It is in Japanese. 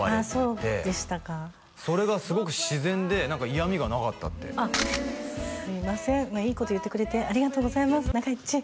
そうでしたかそれが自然で嫌みがなかったってすいませんいいこと言ってくれてありがとうございます中江っ